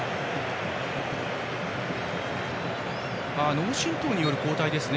脳震とうによる交代ですね。